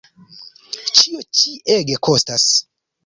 Ĉio ĉi ege kostas.